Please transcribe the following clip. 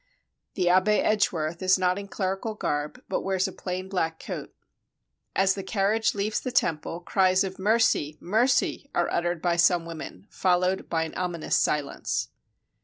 The Abbe Edgeworth is not in clerical garb, but wears a plain black coat. As the carriage leaves the Temple, cries of ^' Mercy! Mercy!" are uttered by some women, followed by an ominous silence.